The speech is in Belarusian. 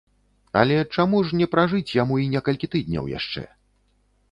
Але чаму ж не пражыць яму й некалькі тыдняў яшчэ?